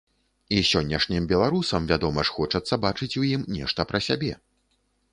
І сённяшнім беларусам, вядома ж, хочацца бачыць у ім нешта пра сябе.